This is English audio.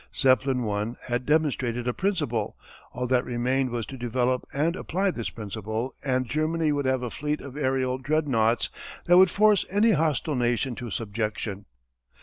Zeppelin I. had demonstrated a principle; all that remained was to develop and apply this principle and Germany would have a fleet of aërial dreadnoughts that would force any hostile nation to subjection.